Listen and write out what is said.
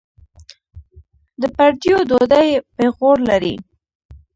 د پردیو ډوډۍ پېغور لري.